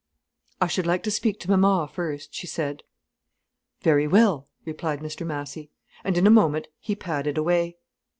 "I should like to speak to mama first," she said. "Very well," replied Mr Massy. And in a moment he padded away.